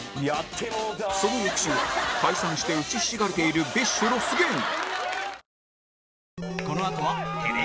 その翌週は解散して打ちひしがれている ＢｉＳＨ ロス芸人